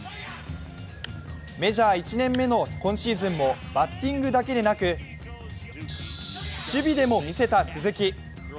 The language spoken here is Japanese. メジャー１年目の今シーズンもバッティングだけでなく守備でも見せた鈴木。